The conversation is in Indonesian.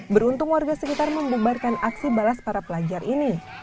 beruntung warga sekitar membubarkan aksi balas para pelajar ini